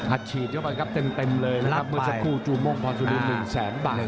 ฉีดเข้าไปครับเต็มเลยนะครับเมื่อสักครู่จูโม่งพรสุริน๑แสนบาท